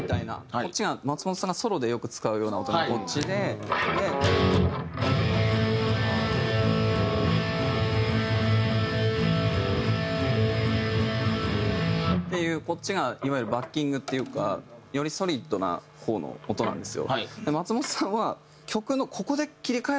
こっちが松本さんがソロでよく使うような音がこっちで。っていうこっちがいわゆるバッキングっていうかよりソリッドな方の音なんですよ。